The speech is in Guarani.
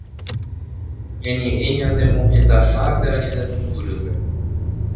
Ñañe'ẽ ñane mohendaha térã ñane pumbyrýpe